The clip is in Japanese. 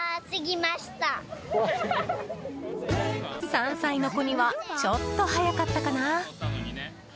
３歳の子にはちょっと早かったかな。